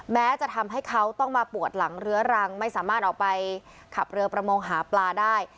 แม้จะทำให้เขาต้องมาปวดหลังเรื้อรังไม่สามารถออกไปขับเรือประมงหาปลาได้